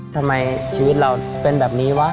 ทำไมชีวิตเราเป็นแบบนี้วะ